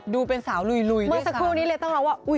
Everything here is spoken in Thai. ดูเป็นสาวหลุยด้วยก่อน